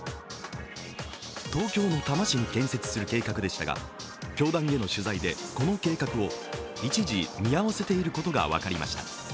東京の多摩市に建設する計画でしたが教団への取材でこの計画を一時、見合わせていることが分かりました。